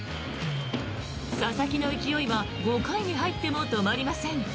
佐々木の勢いは５回に入っても止まりません。